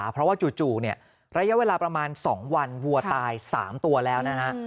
เพราะว่าจู่ระยะเวลาประมาณ๒วันวัวตาย๓ตัวแล้วนะฮะ